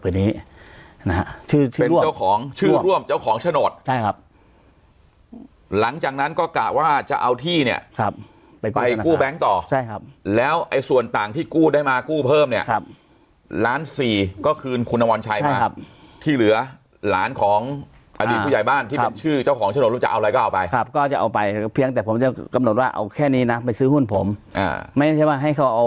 นะฮะชื่อชื่อเป็นเจ้าของชื่อร่วมเจ้าของโฉนดใช่ครับหลังจากนั้นก็กะว่าจะเอาที่เนี่ยครับไปไปกู้แบงค์ต่อใช่ครับแล้วไอ้ส่วนต่างที่กู้ได้มากู้เพิ่มเนี่ยครับล้านสี่ก็คืนคุณอวรชัยมาครับที่เหลือหลานของอดีตผู้ใหญ่บ้านที่เป็นชื่อเจ้าของโฉนดจะเอาอะไรก็เอาไปครับก็จะเอาไปเพียงแต่ผมจะกำหนดว่าเอาแค่นี้นะไปซื้อหุ้นผมอ่าไม่ใช่ว่าให้เขาเอา